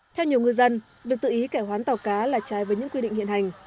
theo nhiều ngư dân việc tự ý cải hoán tàu cá là trái với những quy định hiện hành